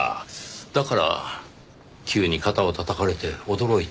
だから急に肩をたたかれて驚いた。